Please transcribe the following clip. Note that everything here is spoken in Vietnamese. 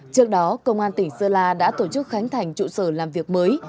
trước đó công an tỉnh sơn la đã tổ chức khánh thành trụ sở làm việc mới